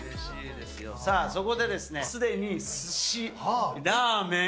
さあ、そこですでにすし、ラーメン、